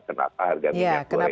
kenapa harga minyak gorengnya mahal